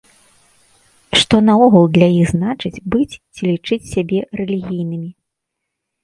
Што наогул для іх значыць быць ці лічыць сябе рэлігійнымі?